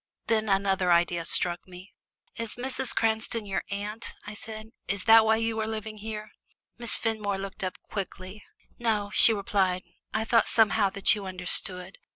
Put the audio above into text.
Then another idea struck me. "Is Mrs. Cranston your aunt?" I said. "Is that why you are living here?" Miss Fenmore looked up quickly. "No," she replied; "I thought somehow that you understood.